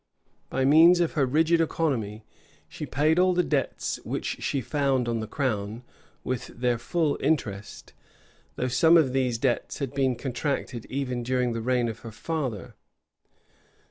By means of her rigid economy, she paid all the debts which she found on the crown, with their full interest; though some of these debts had been contracted even during the reign of her father.